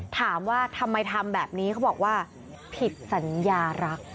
ถามว่าทำไมทำแบบนี้เขาบอกว่าผิดสัญญารัก